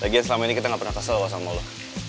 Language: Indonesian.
lagian selama ini kita gak pernah kesel sama lo